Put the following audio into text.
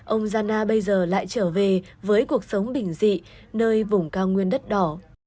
ông gia na bây giờ lại trở về với cuộc sống đỉnh dị nơi vùng cao nguyên đất đỏ